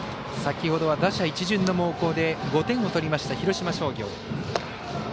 先ほどは打者一巡の猛攻で５点を取りました、広島商業。